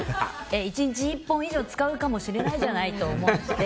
１日１本以上使うかもしれないじゃないと思って。